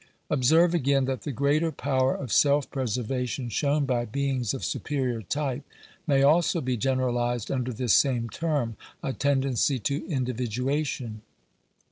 Observe, again, that the greater power of self preservation shown by beings of superior type may also be generalized under this same term — a " tendency to individua tion."